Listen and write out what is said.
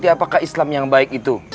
apakah islam yang baik itu